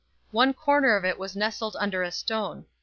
One corner of it was nestled under a stone.